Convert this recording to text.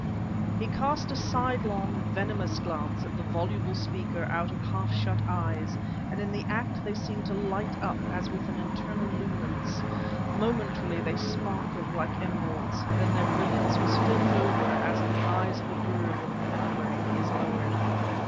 He cast a sidelong, venomous glance at the voluble speaker out of half shut eyes; in the act they seemed to light up as with an internal luminance; momentarily they sparkled like emeralds; then their brilliance was filmed over as in the eyes of a bird when the membrane is lowered.